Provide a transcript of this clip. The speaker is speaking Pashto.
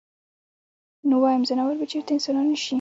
نو وايم ځناور به چرته انسانان نشي -